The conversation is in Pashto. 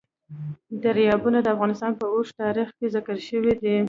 دریابونه د افغانستان په اوږده تاریخ کې ذکر شوی دی.